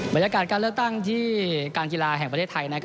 บรรยากาศการเลือกตั้งที่การกีฬาแห่งประเทศไทย